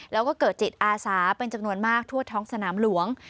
แล้วก็เกิดจิตอาสาเป็นจำนวนมากทั่วท้องสนามหลวง